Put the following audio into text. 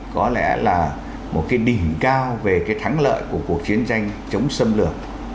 có lẽ là một cái đỉnh cao về cái thắng lợi của cuộc chiến tranh chống xâm lược